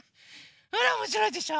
ほらおもしろいでしょ？